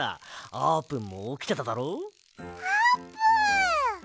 あーぷん。